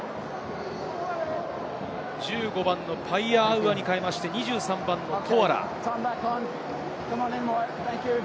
１５番のパイアアウアに代えて２３番のトアラ。